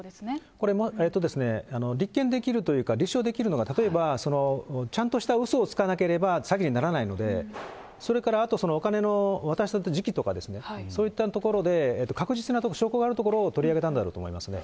これ、立件できるというか、立証できるのが、例えば、ちゃんとしたうそをつかなければ詐欺にならないので、それからあと、そのお金の渡した時期とかですね、そういったところで、確実なところ、証拠があるところを取り上げたんだろうと思いますね。